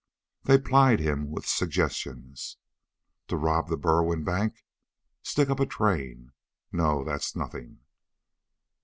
They plied him with suggestions. "To rob the Berwin Bank?" "Stick up a train?" "No. That's nothing."